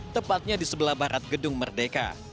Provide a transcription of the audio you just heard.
tepatnya di sebelah barat gedung merdeka